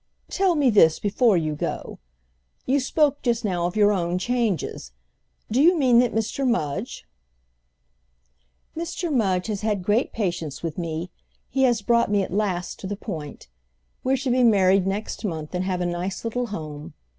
"Tell me this before you go. You spoke just now of your own changes. Do you mean that Mr. Mudge—?" "Mr. Mudge has had great patience with me—he has brought me at last to the point. We're to be married next month and have a nice little home.